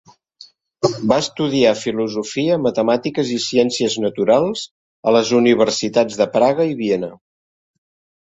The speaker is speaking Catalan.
Va estudiar filosofia, matemàtiques i ciències naturals a les universitats de Praga i Viena.